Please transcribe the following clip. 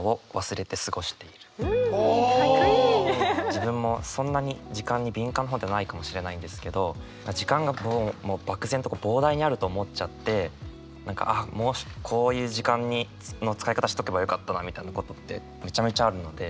自分もそんなに時間に敏感な方ではないかもしれないんですけど時間がもう漠然と膨大にあると思っちゃって何かああこういう時間の使い方しとけばよかったなみたいなことってめちゃめちゃあるので。